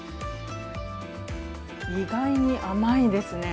意外に甘いですね。